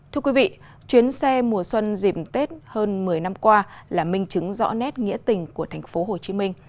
thưa quý vị chuyến xe mùa xuân dìm tết hơn một mươi năm qua là minh chứng rõ nét nghĩa tình của tp hcm